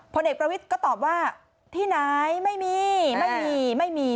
ผลเอกประวิทย์ก็ตอบว่าที่ไหนไม่มีไม่มี